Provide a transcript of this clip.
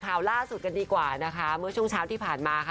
ข่าวล่าสุดกันดีกว่านะคะเมื่อช่วงเช้าที่ผ่านมาค่ะ